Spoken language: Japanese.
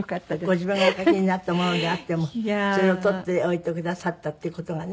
ご自分がお書きになったものであってもそれを取っておいてくださったっていう事がね。